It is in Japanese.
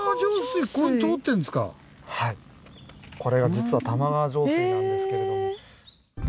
これが実は玉川上水なんですけれども。